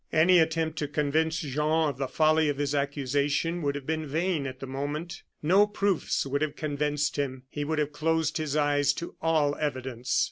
Any attempt to convince Jean of the folly of his accusation would have been vain at that moment. No proofs would have convinced him. He would have closed his eyes to all evidence.